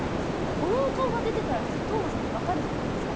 このお顔が出てたら普通、斗真さんって分かるじゃないですか。